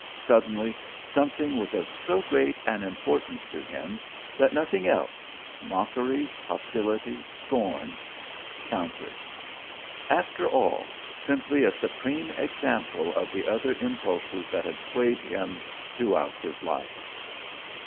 Suddenly something was of so great an importance to him that nothing else, mockery, hostility, scorn, counted. After all, simply a supreme example of the other impulses that had swayed him throughout his life.